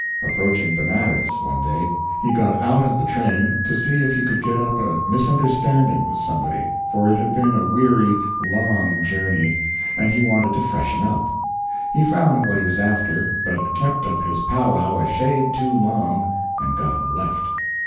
Approaching Benares one day, he got out of the train to see if he could get up a misunderstanding with somebody, for it had been a weary, long journey and he wanted to freshen up. He found what he was after, but kept up his pow wow a shade too long and got left.